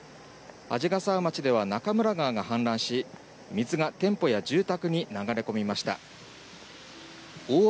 鯵ヶ沢町では中村川が氾濫し、水が店舗や住宅に流れ込みました。